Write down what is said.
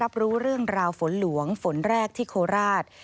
รู้เรื่องราวฝนหลวงฝนแรกที่โคราช